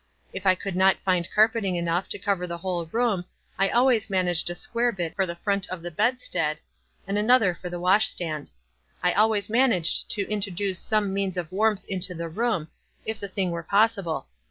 If I could not find carpeting enough to cover the whole room, I always managed a square bit for the front of the bedstead, and an other for the wasbstand. I always managed to introduce some means of warmth into the room, if the thing were possible.